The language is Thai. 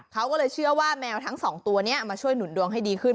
เขาก็เลยเชื่อว่าแมวทั้งสองตัวนี้มาช่วยหนุนดวงให้ดีขึ้น